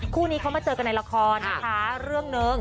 คู่นี้เขามาเจอกันในละครนะคะเรื่องหนึ่ง